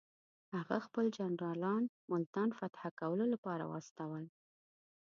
هغه خپل جنرالان ملتان فتح کولو لپاره واستول.